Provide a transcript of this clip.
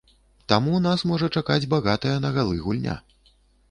Таму нас можа чакаць багатая на галы гульня.